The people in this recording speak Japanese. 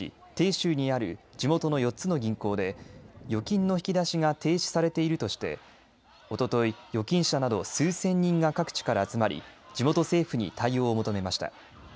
鄭州にある地元の４つの銀行で預金の引き出しが停止されているとして、おととい預金者など数千人が各地から集まり地元政府に対応を求めました。